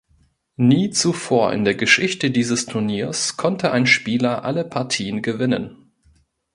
Nie zuvor in der Geschichte dieses Turniers konnte ein Spieler alle Partien gewinnen.